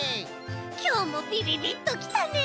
きょうもビビビッときたね！